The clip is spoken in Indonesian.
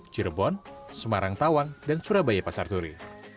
cirebon semarang tawang dan surabaya pasar turi